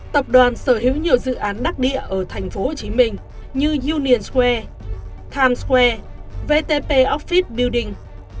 tập đoàn sở hữu nhiều dự án đắc địa ở thành phố hồ chí minh như union square times square vtp office building